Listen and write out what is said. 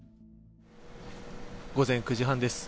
午前９時半です。